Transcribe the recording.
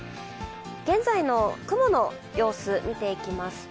現在の雲の様子、見ていきますと